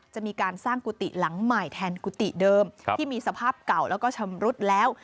จะมีการสร้างกุฏิหลังใหม่แทนกุฏิเดิมที่มีสภาพเก่าแล้วก็ชำรุดแล้ว